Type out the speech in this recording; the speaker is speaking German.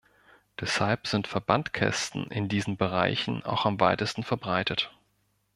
Deshalb sind Verbandkästen in diesen Bereichen auch am weitesten verbreitet.